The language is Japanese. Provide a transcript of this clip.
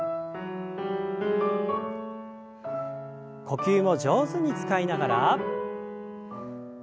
呼吸を上手に使いながら。